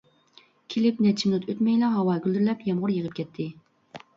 كېلىپ نەچچە مىنۇت ئۆتمەيلا ھاۋا گۈلدۈرلەپ يامغۇر يېغىپ كەتتى.